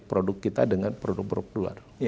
produk kita dengan produk produk luar